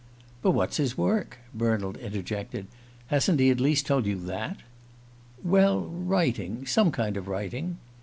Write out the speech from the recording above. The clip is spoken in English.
"But what's his work?" Bernald interjected. "Hasn't he at least told you that?" "Well, writing. Some kind of writing."